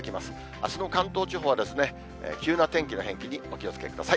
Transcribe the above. あすの関東地方は急な天気の変化にお気をつけください。